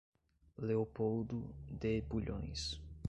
Leopoldo de Bulhões